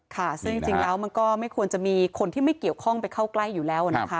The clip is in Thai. ค่ะซึ่งจริงแล้วมันก็ไม่ควรจะมีคนที่ไม่เกี่ยวข้องไปเข้าใกล้อยู่แล้วนะคะ